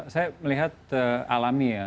saya melihat alami ya